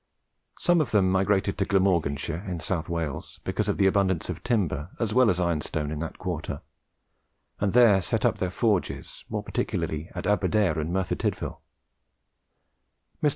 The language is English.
Some of them migrated to Glamorganshire, in South Wales, because of the abundance of timber as well as ironstone in that quarter, and there set up their forges, more particularly at Aberdare and Merthyr Tydvil. Mr.